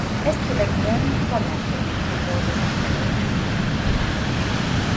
Ezt követően tanársegédként dolgozott a főiskolán.